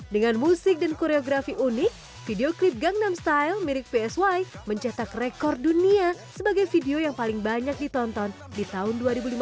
dengan musik dan koreografi unik video klip gangdam style mirip psy mencetak rekor dunia sebagai video yang paling banyak ditonton di tahun dua ribu lima belas